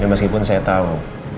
ya meskipun saya tahu